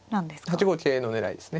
８五桂の狙いですね。